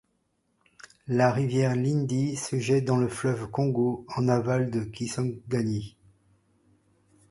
La rivière Lindi se jette dans le fleuve Congo en aval de Kisangani.